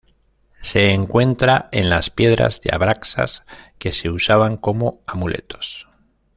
Se encuentra en las piedras de abraxas que se usaban como amuletos.